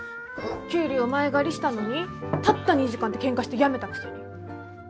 給料前借りしたのにたった２時間でケンカして辞めたくせに。